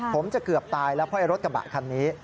ผมจะเกือบตายแล้วเพราะไอ้รถกระบะคันนี้